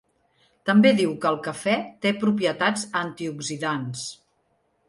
També diu que el cafè té propietats antioxidants.